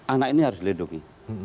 anak ini harus dilindungi